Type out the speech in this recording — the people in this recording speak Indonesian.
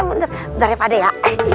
bentar ya pade ya